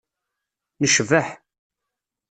Necbeḥ.